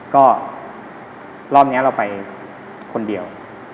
ก็รอบนี้เราไปคนเดียว